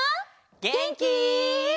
げんき？